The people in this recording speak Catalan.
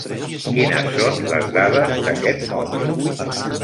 Quines són les dades d'aquest mòbil?